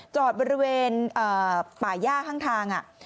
จอดบริเวณป่าย่าข้างทาง